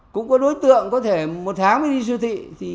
cũng có đối tượng có thể một tháng mới đi siêu thị